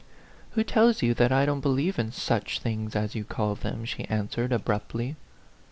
"Who tells you that I don't believe in such things, as you call them ?" she answered, abruptly.